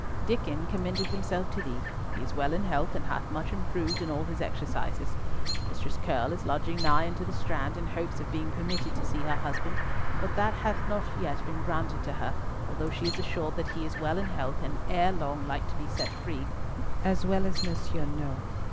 Diccon commendeth himself to thee; he is well in health, and hath much improved in all his exercises. Mistress Curll is lodging nigh unto the Strand, in hopes of being permitted to see her husband; but that hath not yet been granted to her, although she is assured that he is well in health, and like ere long to be set free, as well as Monsieur Nau.